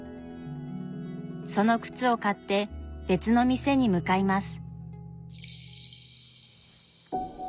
その靴を買って別の店に向かいます。